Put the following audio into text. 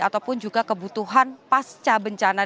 ataupun juga kebutuhan pasca bencana